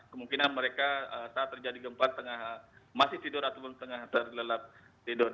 kemungkinan mereka saat terjadi gempa masih tidur ataupun tengah tergelelap tidur